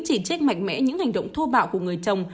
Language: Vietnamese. chỉ trích mạnh mẽ những hành động thô bạo của người chồng